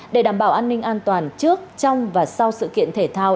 để đảm bảo an ninh an toàn trước trong và sau sự kiện thể thao